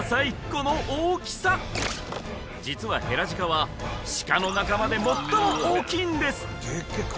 この大きさ実はヘラジカはシカの仲間で最も大きいんです